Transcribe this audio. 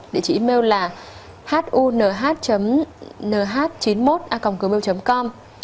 địa chỉ email là hunh nh chín mươi một acom com